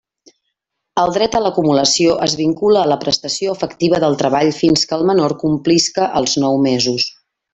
El dret a l'acumulació es vincula a la prestació efectiva del treball fins que el menor complisca els nou mesos.